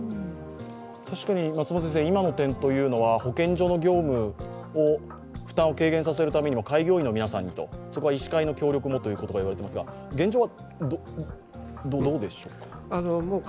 確かに今の点は保健所の業務の負担を軽減するために開業医の皆さんにと、そこは医師会も協力をといわれてますが現状はどうでしょうか？